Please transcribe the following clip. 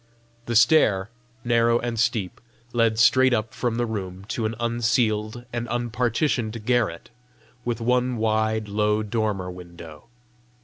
The stair, narrow and steep, led straight up from the room to an unceiled and unpartitioned garret, with one wide, low dormer window.